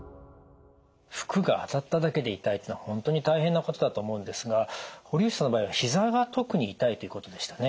服が当たっただけで痛いというのは本当に大変なことだと思うんですが堀内さんの場合は膝が特に痛いということでしたね。